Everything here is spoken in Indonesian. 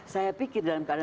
saya pikir dalam keadaan